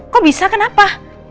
kok bisa kenapa